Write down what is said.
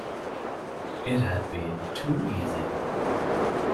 It had all been too easy.